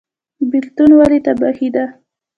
بیلتون ولې تباهي ده؟